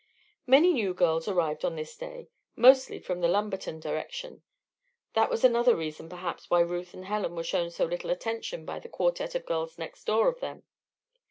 Many new girls arrived on this day mostly from the Lumberton direction. That was another reason, perhaps, why Ruth and Helen were shown so little attention by the quartette of girls next door o them.